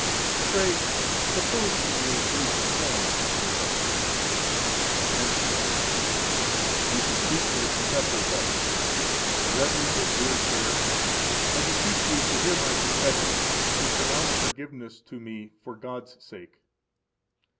Pray, Propose to Me a Brief Form of Confession. –Answer: You should speak to the confessor thus: Reverend and dear sir, I beseech you to hear my confession, and to pronounce forgiveness to me for God's sake.